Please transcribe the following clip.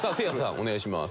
お願いします。